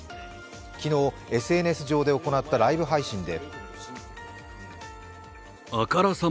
昨日、ＳＮＳ上で行ったライブ配信で。